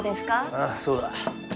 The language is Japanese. ああそうだ。